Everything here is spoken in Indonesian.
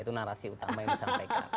itu narasi utama yang disampaikan